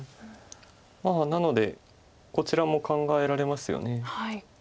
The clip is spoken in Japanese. まあなのでこちらも考えられますよね。